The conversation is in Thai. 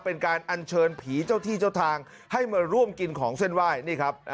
เป็นการอัญเชิญผีเจ้าที่เจ้าทางให้มาร่วมกินของเส้นไหว้นี่ครับ